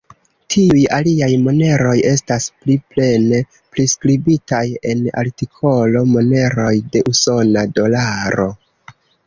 Tiuj aliaj moneroj estas pli plene priskribitaj en artikolo Moneroj de usona dolaro.